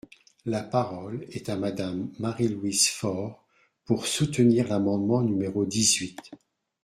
La parole est à Madame Marie-Louise Fort, pour soutenir l’amendement numéro dix-huit.